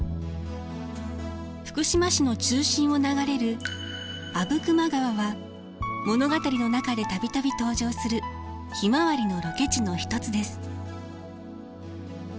福島市の中心を流れる阿武隈川は物語の中で度々登場する「ひまわり」のロケ地の一つです。